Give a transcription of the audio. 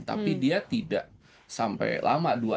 tapi dia tidak sampai lama